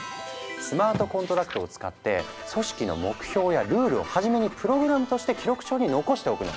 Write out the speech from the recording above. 「スマートコントラクト」を使って組織の目標やルールをはじめにプログラムとして記録帳に残しておくの。